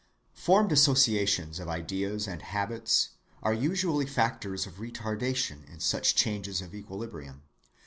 Formed associations of ideas and habits are usually factors of retardation in such changes of equilibrium.